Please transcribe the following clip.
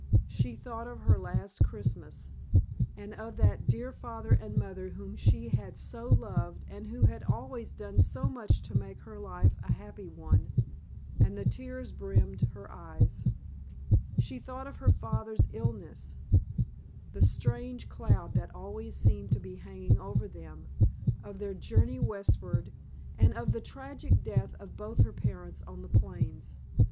She thought of her last Christmas, and of that dear father and mother whom she had so loved and who had always done so much to make her life a happy one, and the tears brimmed her eyes. She thought of her father's illness, the strange cloud that always seemed to be hanging over them, of their journey westward, and of the tragic death of both her parents on the plains.